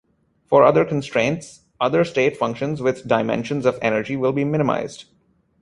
For other constraints, other state functions with dimensions of energy will be minimized.